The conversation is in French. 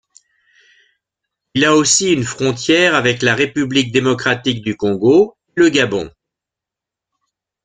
Il a aussi une frontière avec la République démocratique du Congo et le Gabon.